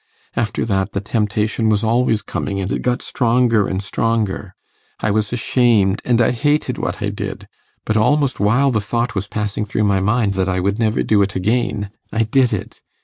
After that, the temptation was always coming, and it got stronger and stronger. I was ashamed, and I hated what I did; but almost while the thought was passing through my mind that I would never do it again, I did it.